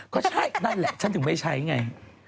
ก็ใช่นั่นแหละฉันถึงไม่ใช้ไง